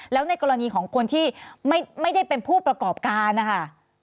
แล้วในกรณีของคนที่ไม่ได้เป็นผู้ประกอบการนะคะ